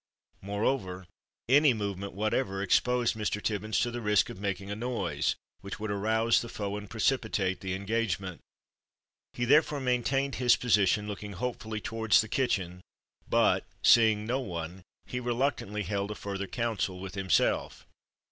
Moreover, any movement whatever exposed Mr. Tibbins to the risk of making a noise, which would arouse the foe and precipitate the engagement. He therefore maintained his position, looking hopefully towards the kitchen, but, seeing no one, he reluctantly held a further counsel with himself.